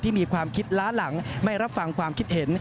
มีความคิดล้าหลังไม่รับฟังความคิดเห็น